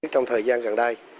trong thời gian gần đây